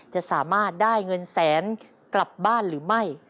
จะสามารถได้เงินแสนกลับบ้านหรือไม่